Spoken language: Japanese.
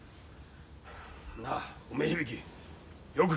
なあ梅響よく聞け。